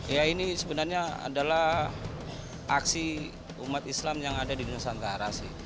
ya ini sebenarnya adalah aksi umat islam yang ada di nusantara sih